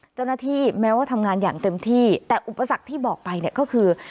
เจ้าหน้าที่แม้ว่าทำงานอย่างเต็มที่แต่อุปสรรคที่บอกไปเนี่ยก็คือ